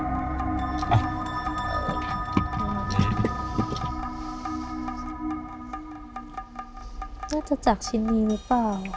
น่าจะจับชิ้นดีมั้ยเปล่า